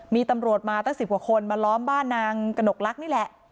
มีตำรวจมาตั้ง๑๐คนมาล้อมบ้านนางกนกลักนี่แหละ